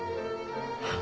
はあ。